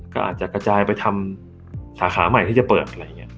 ก็อาจจะกระจายไปทำสาขาใหม่ที่จะเปิดอะไรอย่างนี้